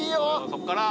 そっから。